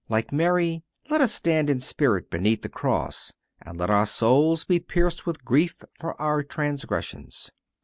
Like Mary, let us stand in spirit beneath the cross, and let our souls be pierced with grief for our transgressions.